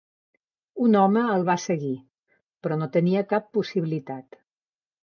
Un home el va seguir, però no tenia cap possibilitat.